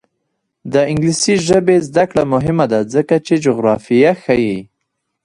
د انګلیسي ژبې زده کړه مهمه ده ځکه چې جغرافیه ښيي.